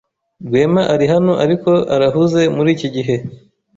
Rwema arihano, ariko arahuze muriki gihe.